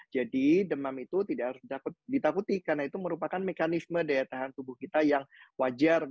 jadi demam itu tidak harus ditakuti karena itu merupakan mekanisme daya tahan tubuh kita yang wajar